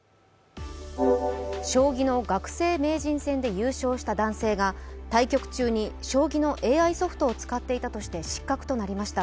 将棋の学生名人戦で優勝した男性が対局中に将棋のＡＩソフトを使っていたとして失格となりました。